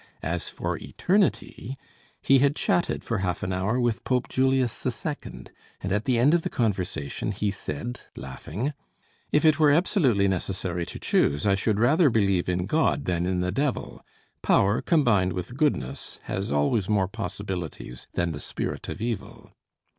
As for eternity, he had chatted for half an hour with Pope Julius II., and at the end of the conversation he said, laughing: "If it were absolutely necessary to choose, I should rather believe in God than in the devil; power combined with goodness has always more possibilities than the spirit of evil."